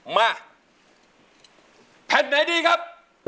มาแผ่นไหนดีครับ